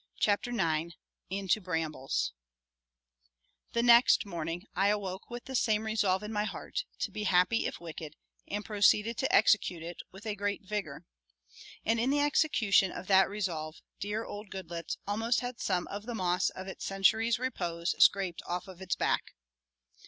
CHAPTER IX INTO BRAMBLES The next morning I awoke with the same resolve in my heart, to be happy if wicked, and proceeded to execute it with a great vigor. And in the execution of that resolve dear old Goodloets almost had some of the moss of its century's repose scraped off of its back.